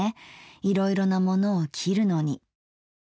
いろいろなものを切るのに。